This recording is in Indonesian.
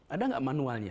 ada nggak manualnya